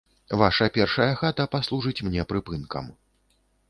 Ваша першая хата паслужыць мне прыпынкам.